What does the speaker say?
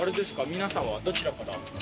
皆さんはどちらから？